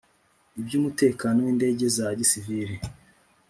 iby umutekano w indege za gisivili